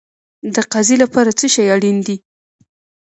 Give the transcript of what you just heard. د قاضي لپاره څه شی اړین دی؟